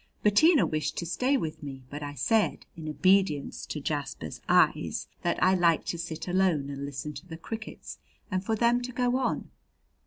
Bettina wished to stay with me, but I said, in obedience to Jasper's eyes, that I liked to sit alone and listen to the crickets, and for them to go on.